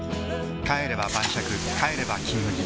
帰れば晩酌帰れば「金麦」